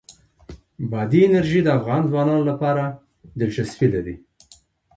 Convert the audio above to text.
بادي انرژي د افغان ځوانانو لپاره دلچسپي لري.